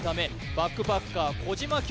バックパッカー小島京